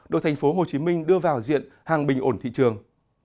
đội thành phố hồ chí minh đưa vào diện hàng bình ổn thị trường